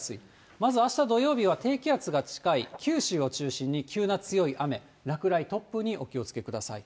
まずあした土曜日は低気圧が近い九州を中心に急な強い雨、落雷、突風にお気をつけください。